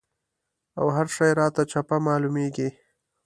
او هر شی راته چپه معلومېږي.